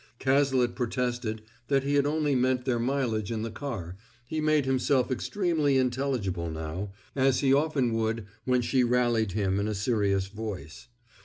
Cazalet protested that he had only meant their mileage in the car; he made himself extremely intelligible now, as he often would when she rallied him in a serious voice.